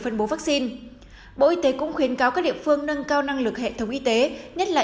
phân bố vaccine bộ y tế cũng khuyến cáo các địa phương nâng cao năng lực hệ thống y tế nhất là